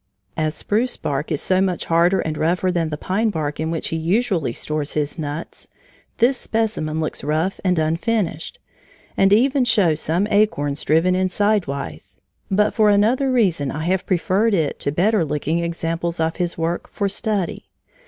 As spruce bark is so much harder and rougher than the pine bark in which he usually stores his nuts, this specimen looks rough and unfinished, and even shows some acorns driven in sidewise; but for another reason I have preferred it to better looking examples of his work for study.